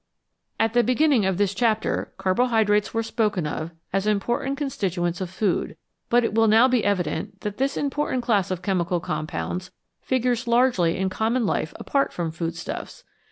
At the beginning of this chapter carbohydrates were spoken of as important constituents of food, but it will now be evident that this important class of chemical com pounds figures largely in common life apart from food stuffs.